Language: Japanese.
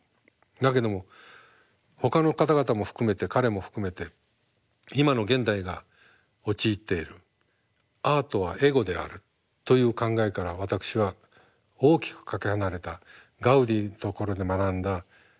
だけどもほかの方々も含めて彼も含めて今の現代が陥っているアートはエゴであるという考えから私は大きくかけ離れたガウディのところで学んだ。